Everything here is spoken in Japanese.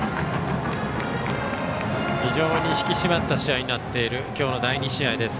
非常に引き締まった試合になっている今日の第２試合です。